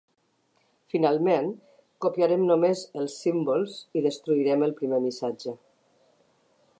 Finalment, copiarem només els símbols i destruirem el primer missatge.